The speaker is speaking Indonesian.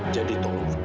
jadi tolong berhenti